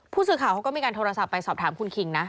ผู้สื่อข่าวเขาก็มีการโทรศัพท์ไปสอบถามคุณคิงนะ